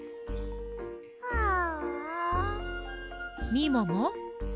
みもも。